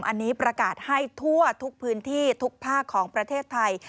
อันนี้ประกาศให้ทั่วทุกพื้นที่ทุกภาคของประเทศไทย